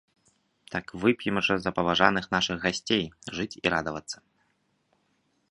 Так вып'ем за паважаных нашых гасцей, жыць і радавацца.